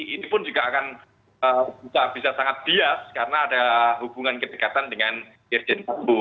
ini pun juga akan bisa sangat bias karena ada hubungan kedekatan dengan irjen paul